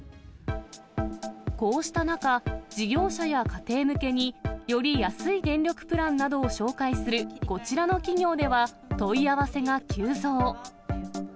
こうした中、事業者や家庭向けに、より安い電力プランなどを紹介するこちらの企業では、問い合わせが急増。